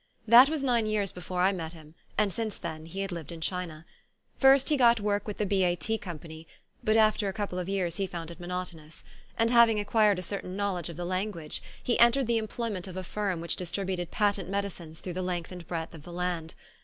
That was nine years before I met him and since then he had lived in China. First he got work with the B. A. T. Company, but after a couple of years he found it monotonous; and having acquired a certain knowledge of the language he entered the employment of a firm which dis tributed patent medicines through the length and breadth of the land.